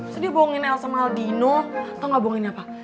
terus dia bohongin el sama aldino tau gak bohongin apa